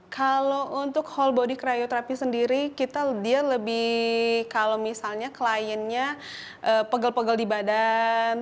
kalau untuk whole body cryotrapy sendiri kita dia lebih kalau misalnya kliennya pegel pegel di badan